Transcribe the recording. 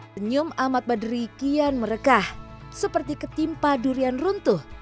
senyum amat berdiri kian merekah seperti ketimpa durian runtuh